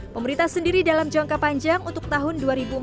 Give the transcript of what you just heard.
pemerintah sendiri dalam jangka panjang untuk tahun dua ribu empat puluh